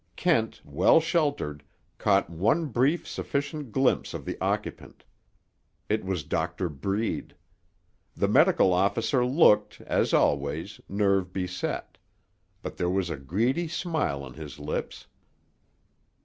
Kent, well sheltered, caught one brief sufficient glimpse of the occupant. It was Doctor Breed. The medical officer looked, as always, nerve beset; but there was a greedy smile on his lips.